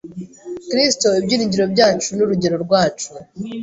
Kristo, ibyiringiro byacu n’urugero rwacu